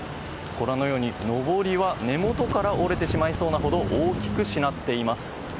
のぼりは根元から折れてしまいそうなほど大きくしなっています。